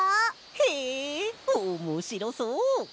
へえおもしろそう！